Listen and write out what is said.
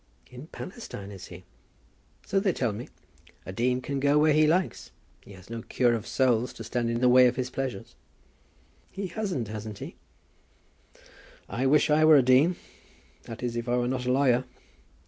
"In Palestine, is he?" "So they tell me. A dean can go where he likes. He has no cure of souls to stand in the way of his pleasures." "He hasn't, hasn't he? I wish I were a dean; that is, if I were not a lawyer.